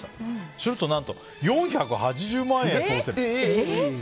すると何と４８０万円当せん。